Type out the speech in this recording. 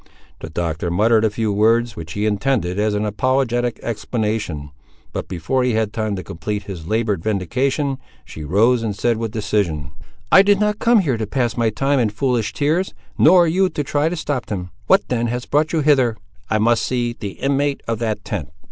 The Doctor muttered a few words, which he intended as an apologetic explanation, but before he had time to complete his laboured vindication, she arose and said with decision— "I did not come here to pass my time in foolish tears, nor you to try to stop them. What then has brought you hither?" "I must see the inmate of that tent."